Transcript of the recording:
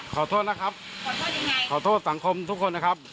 ขอโทษนะครับขอโทษสังคมทุกคนนะครับ